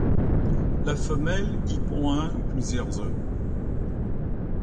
La femelle y pond un ou plusieurs œufs.